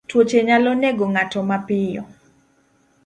Tuoche nyalo nego ng'ato mapiyo.